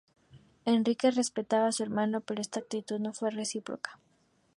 Enrique respetaba a su hermano, pero esta actitud no fue recíproca.